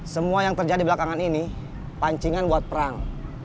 semua yang terjadi belakangan ini pancingan buat perang